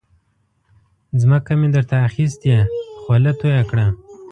ځمکه مې در ته اخستې خوله تویه کړه.